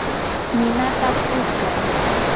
ninata puukay.